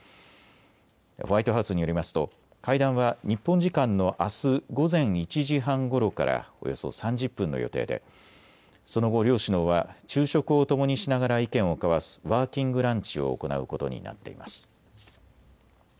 ホワイトハウスによりますと会談は日本時間のあす午前１時半ごろからおよそ３０分の予定でその後、両首脳は昼食をともにしながら意見を交わすワーキングランチを行うことになっています。